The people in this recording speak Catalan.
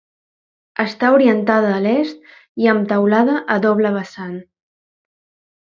Està orientada a l'est i amb teulada a doble vessant.